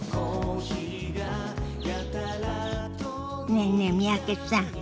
ねえねえ三宅さん。